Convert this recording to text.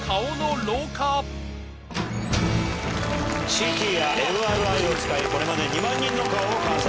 ＣＴやＭＲＩを使いこれまで２万人の顔を観察。